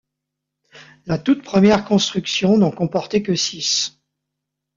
La toute première construction n'en comportait que six.